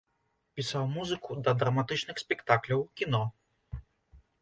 Пісаў музыку да драматычных спектакляў, кіно.